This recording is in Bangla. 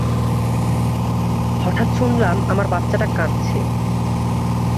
হঠাৎ শুনলাম আমার বাচ্চাটা কাঁদছে।